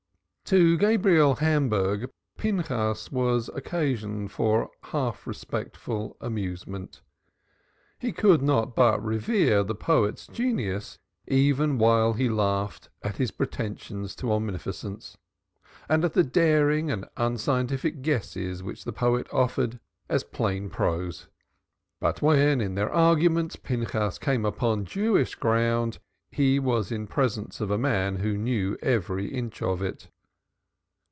To Gabriel Hamburg, Pinchas was occasion for half respectful amusement. He could not but reverence the poet's genius even while he laughed at his pretensions to omniscience, and at the daring and unscientific guesses which the poet offered as plain prose. For when in their arguments Pinchas came upon Jewish ground, he was in presence of a man who knew every inch of it.